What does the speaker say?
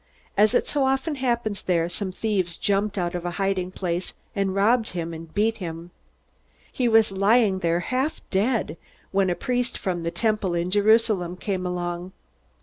As so often happens there, some thieves jumped out of a hiding place, and robbed him and beat him. He was lying there half dead, when a priest from the Temple in Jerusalem came along.